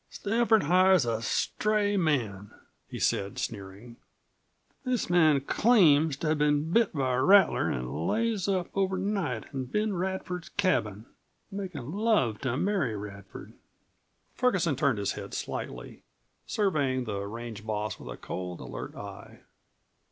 "Stafford hires a stray man," he said, sneering. "This man claims to have been bit by a rattler an' lays up over night in Ben Radford's cabin makin' love to Mary Radford." Ferguson turned his head slightly, surveying the range boss with a cold, alert eye.